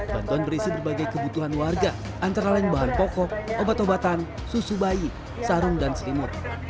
bantuan berisi berbagai kebutuhan warga antara lain bahan pokok obat obatan susu bayi sarung dan selimut